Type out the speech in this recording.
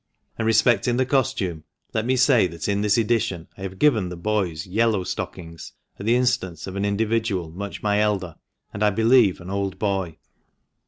And respecting the costume, let me say that in this edition I have given the boys yellow stockings at the instance of an individual much my elder, and I believe an " Old Boy."